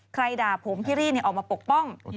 ด่าผมพี่รี่ออกมาปกป้อง